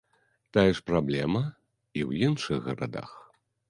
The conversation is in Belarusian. Тая ж праблема і ў іншых гарадах.